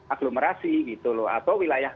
aglomerasi gitu loh atau wilayah